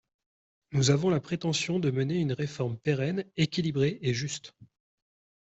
Nous avons la prétention de mener une réforme pérenne, équilibrée et juste.